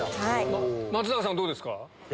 松坂さんどうですか？